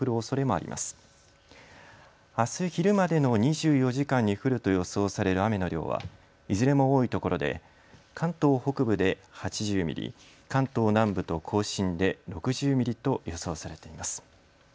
あす昼までの２４時間に降ると予想される雨の量はいずれも多いところで関東北部で８０ミリ、関東南部と甲信で６０ミリと予想されています。